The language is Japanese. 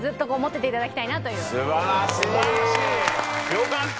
よかった！